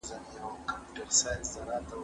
هغه وويل چي د کتابتون د کار مرسته ضروري ده